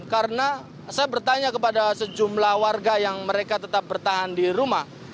karena saya bertanya kepada sejumlah warga yang mereka tetap bertahan di rumah